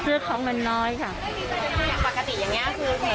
ปกติแบบนี้คือเหมือนทุกปีมาเดินดูบรรคบังกัล